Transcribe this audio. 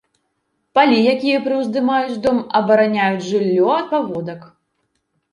Палі, якія прыўздымаюць дом, абараняюць жыллё ад паводак.